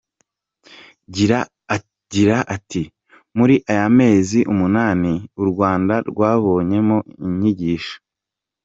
Gira ati “Muri aya mezi umunani, u Rwanda rwabonyemo inyigisho.